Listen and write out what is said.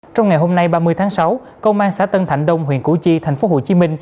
trong ngày hôm nay ba mươi tháng sáu công an xã tân thạnh đông huyện củ chi tp hcm